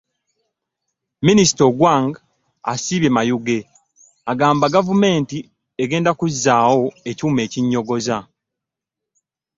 Minisita Ogwang asiibye Mayuge, agamba gavumenti egenda kuzzaawo ekyuma ekinnyogoza.